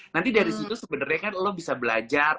nanti dari situ sebenarnya kan lo bisa belajar